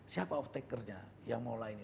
siapa off tackernya yang mengolah ini